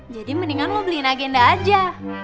jadi mendingan lo beliin agenda aja